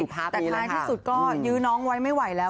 แต่ท้ายที่สุดก็ยื้อน้องไว้ไม่ไหวแล้ว